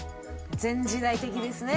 前時代的ですね。